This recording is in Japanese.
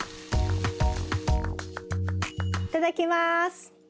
いただきます。